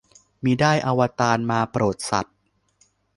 มิได้ อวตาร มาโปรดสัตว์